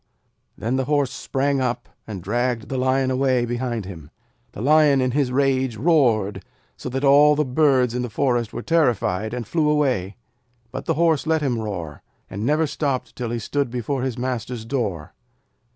Then the Horse sprang up, and dragged the Lion away behind him. The Lion in his rage roared, so that all the birds in the forest were terrified, and flew away. But the Horse let him roar, and never stopped till he stood before his master's door.